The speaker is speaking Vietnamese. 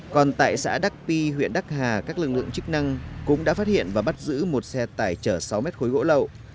còn tại xã đắc pi huyện đắc hà các lực lượng chức năng cũng đã phát hiện và bắt giữ một xe tải chở sáu mét khối gỗ lậu